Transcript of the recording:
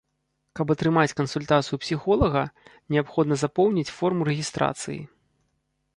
Каб атрымаць кансультацыю псіхолага, неабходна запоўніць форму рэгістрацыі.